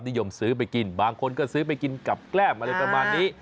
นิยมซื้อไปกินบางคนก็ซื้อไปกินกับแกล้มอะไรประมาณนี้